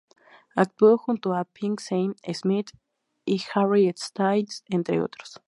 Actuó junto a P!nk, Sam Smith y Harry Styles entre otros.